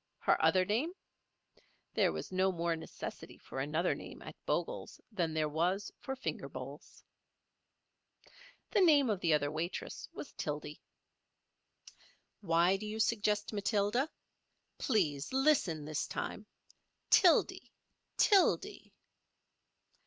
Her other name? There was no more necessity for another name at Bogle's than there was for finger bowls. The name of the other waitress was Tildy. Why do you suggest Matilda? Please listen this time—Tildy—Tildy.